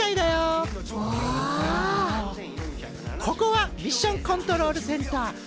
ここはミッションコントロールセンター。